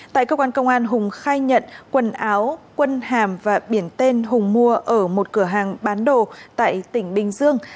tại cơ quan công an hùng khai nhận quần áo quân hàm và biển tên hùng mua ở một cửa hàng bán đồ tại tỉnh bình dương